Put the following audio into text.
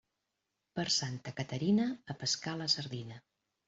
Per Santa Caterina, a pescar la sardina.